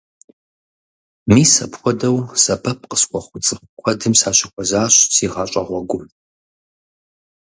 Мис апхуэдэу сэбэп къысхуэхъу цӀыху куэдым сащыхуэзащ си гъащӀэ гъуэгум.